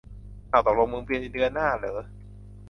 เอ้า ตกลงมึงไปเดือนหน้าเหรอ